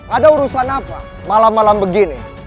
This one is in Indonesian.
ada urusan apa malam malam begini